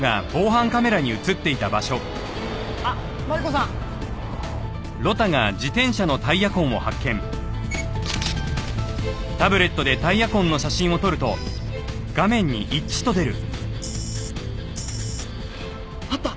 あっマリコさん！あった！